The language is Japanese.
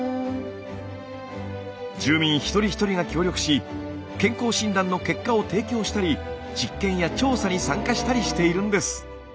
住民一人一人が協力し健康診断の結果を提供したり実験や調査に参加したりしているんです。